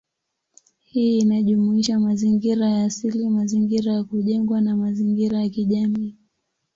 Hii inajumuisha mazingira ya asili, mazingira ya kujengwa, na mazingira ya kijamii.